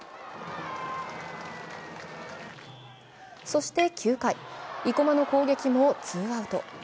そして９回、生駒の攻撃もツーアウト。